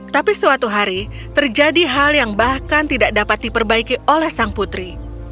tapi suatu hari terjadi hal yang bahkan tidak dapat diperbaiki oleh sang putri